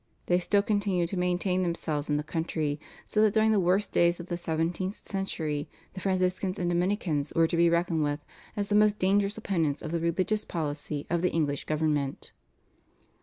They still continued to maintain themselves in the country, so that during the worst days of the seventeenth century the Franciscans and Dominicans were to be reckoned with as the most dangerous opponents of the religious policy of the English government.